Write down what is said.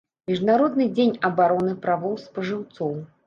Міжнародны дзень абароны правоў спажыўцоў.